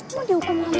mau diukur ngamuk